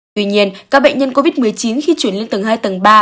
tuy nhiên các bệnh nhân covid một mươi chín khi chuyển lên tầng hai tầng ba